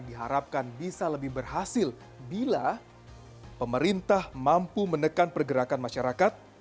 diharapkan bisa lebih berhasil bila pemerintah mampu menekan pergerakan masyarakat